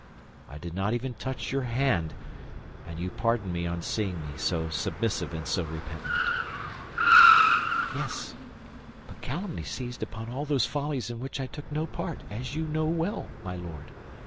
I did not even touch your hand, and you pardoned me on seeing me so submissive and so repentant." "Yes, but calumny seized upon all those follies in which I took no part, as you well know, my Lord.